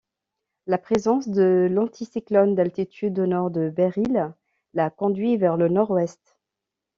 La présence de l'anticyclone d'altitude au nord de Beryl l'a conduit vers le nord-ouest.